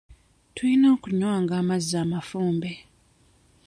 Tulina okunywanga amazzi amafumbe.